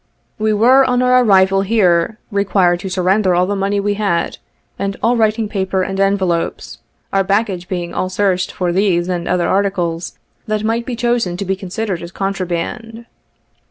We were, on our arrival here, required to surrender all the money we had, and all writing paper and envelopes — our baggage being all searched for these and other articles that might be chosen to be considered as contraband.